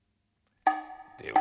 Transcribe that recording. では。